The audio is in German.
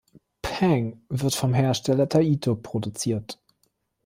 Pang wird vom Hersteller Taito produziert.